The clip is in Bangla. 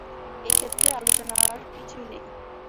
এই ক্ষেত্রে, আলোচনার আর কিছুই নেই।